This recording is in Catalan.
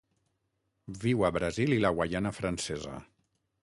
Viu a Brasil i la Guaiana Francesa.